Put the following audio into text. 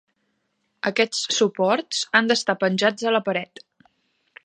Aquests suports han d'estar penjats a la paret.